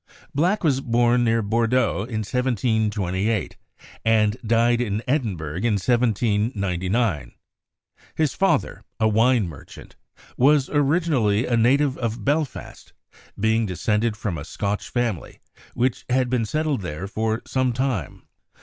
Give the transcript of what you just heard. Black was born near Bordeaux in 1728, and died in Edinburgh in 1799. His father, a wine merchant, was originally a native of Belfast, being descended from a Scotch family which had been settled there for some time.